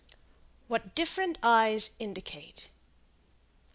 WHAT DIFFERENT EYES INDICATE.